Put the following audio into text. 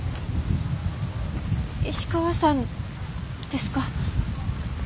石川さんですか？